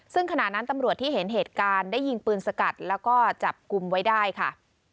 ซึ่งขณะนั้นตำรวจที่เห็นเหตุการณ์ได้ยิงปืนสกัดแล้วก็จับกลุ่มไว้ได้ค่ะ